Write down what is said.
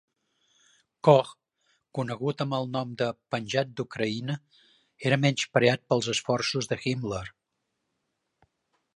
Koch, conegut amb el nom de "penjat d'Ucraïna", era menyspreat pels esforços de Himmler.